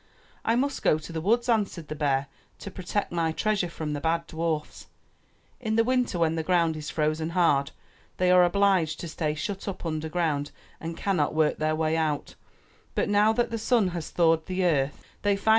'1 must go to the woods," answered the bear, '*to protect my treasure from the bad dwarfs. In the winter when the ground is frozen hard, they are obliged to stay shut up underground and cannot work their way out, but now that the sun has thawed the earth, they find.